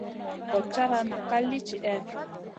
Gochata chata nak ka li tihè?